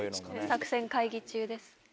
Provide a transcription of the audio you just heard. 作戦会議中です。